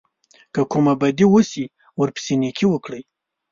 که کومه بدي وشي ورپسې نېکي وکړئ.